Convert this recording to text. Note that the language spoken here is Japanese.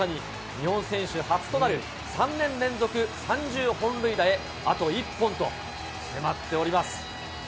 日本選手初となる３年連続３０本塁打へあと１本と迫っております。